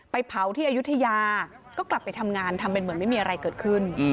เผาที่อายุทยาก็กลับไปทำงานทำเป็นเหมือนไม่มีอะไรเกิดขึ้น